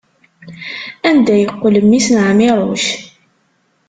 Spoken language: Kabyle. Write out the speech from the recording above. Anda yeqqel mmi-s n Ɛmiruc?